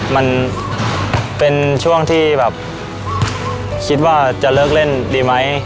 มันเป็นช่วงที่แบบคิดว่าจะเลิกเล่นดีไหม